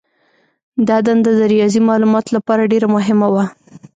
دا دنده د ریاضي مالوماتو لپاره ډېره مهمه وه.